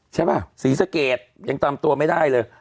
ใช่ป่ะศรีสะเกดยังตามตัวไม่ได้เลย